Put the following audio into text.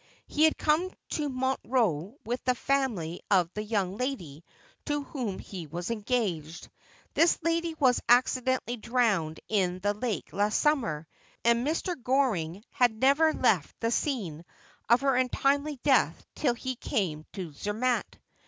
He had come to Montreux with the family of the young lady to whom he was engaged. This young lady was accidentally drowned in the lake last summer, and Mr. Goring had never left the scene of her untimely death till he came to Zermatt.